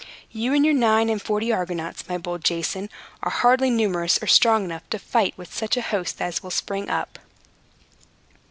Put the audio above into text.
You and your nine and forty Argonauts, my bold Jason, are hardly numerous or strong enough to fight with such a host as will spring up."